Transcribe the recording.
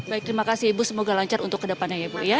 baik terima kasih ibu semoga lancar untuk ke depannya ibu